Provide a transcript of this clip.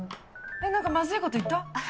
えっ何かまずいこと言った？